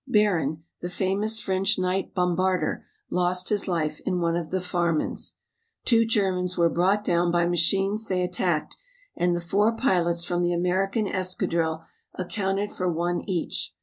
Baron, the famous French night bombarder, lost his life in one of the Farmans. Two Germans were brought down by machines they attacked and the four pilots from the American escadrille accounted for one each.